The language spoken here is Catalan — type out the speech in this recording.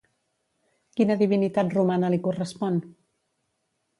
Quina divinitat romana li correspon?